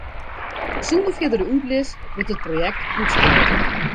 Sûnder fierdere útlis wurdt it projekt útsteld.